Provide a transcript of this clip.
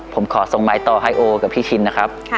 ผมขอส่งไม้ต่อให้โอกับพี่ชินนะครับ